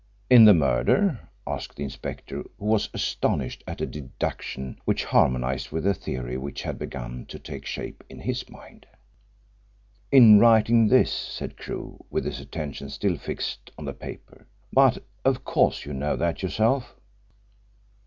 "In the murder?" asked the inspector, who was astonished at a deduction which harmonised with a theory which had begun to take shape in his mind. "In writing this," said Crewe, with his attention still fixed on the paper. "But of course you know that yourself."